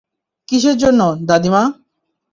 কিসের জন্য, দাদিমা?